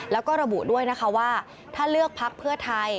แล้วก็ระบุด้วยนะคะว่าถ้าเลือกพักเพื่อไทย